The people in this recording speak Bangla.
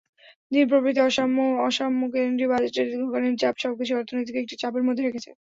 ধীর প্রবৃদ্ধি, অসাম্য, কেন্দ্রীয় বাজেটের দীর্ঘকালীন চাপ—সবকিছুই অর্থনীতিকে একটি চাপের মধ্যে রেখেছে।